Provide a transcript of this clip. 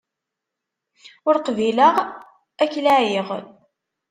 Ur qbileɣ ad k-laɛiɣ!